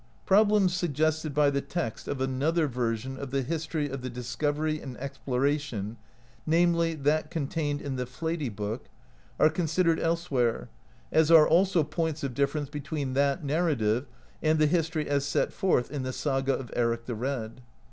Problems suggested by the text of another version of the history of the discovery and exploration, namely, that contained in the Flatey Book, are considered else where, as are also points of difference between that nar rative and the history as set forth in the Saga of Eric the Red.